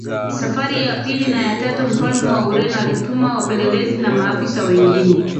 Safari ya pili na ya tatu Mfalme wa Ureno alituma wapelelezi na maafisa wengine